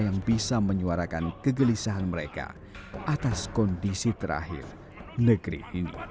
yang bisa menyuarakan kegelisahan mereka atas kondisi terakhir negeri ini